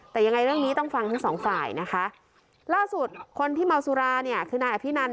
แต่ยังไงเรื่องนี้ต้องฟังทั้งสองฝ่ายนะคะล่าสุดคนที่เมาสุราเนี่ยคือนายอภินัน